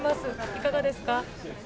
いかがですか？